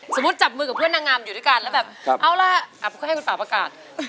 สมมุติจับมือกับเพื่อนนางงามอยู่ด้วยกันแล้วแบบเอาล่ะค่อยให้คุณป่าประกาศ